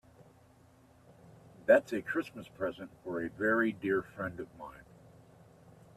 That's a Christmas present from a very dear friend of mine.